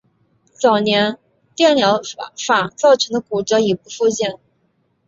早年电疗法造成的骨折已不复见。